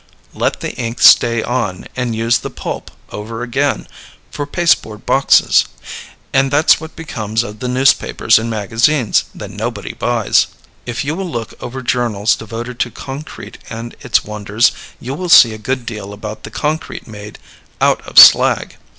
Let the ink stay on and use the pulp over again for pasteboard boxes. And that's what becomes of the newspapers and magazines that nobody buys. If you will look over journals devoted to concrete and its wonders, you will see a good deal about the concrete made out of slag.